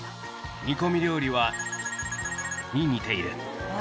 煮込み料理は×××に似ている。